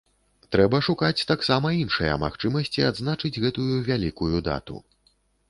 Трэба шукаць таксама іншыя магчымасці адзначыць гэтую вялікую дату.